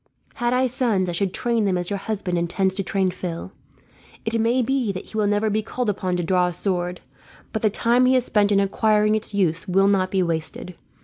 "Had I sons, I should train them as your husband intends to train Phil. It may be that he will never be called upon to draw a sword, but the time he has spent in acquiring its use will not be wasted.